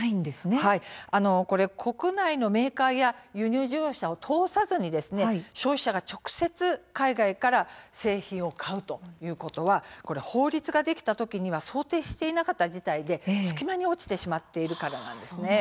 国内のメーカーや輸入事業者を通さずに消費者が直接海外から製品を買うということは法律ができた時には想定していなかった事態で隙間に落ちてしまっているからなんです。